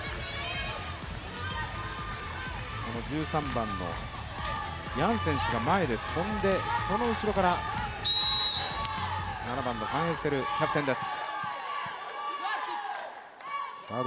１３番のヤンセンスが前で飛んで、その後ろから７番のファンヘステルキャプテンです。